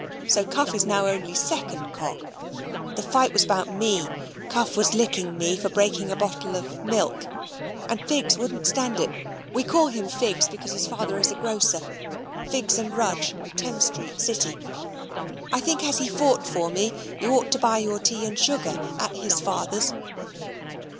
So Cuff is now Only Second Cock. The fight was about me. Cuff was licking me for breaking a bottle of milk, and Figs wouldn't stand it. We call him Figs because his father is a Grocer Figs & Rudge, Thames St., City I think as he fought for me you ought to buy your Tea & Sugar at his father's.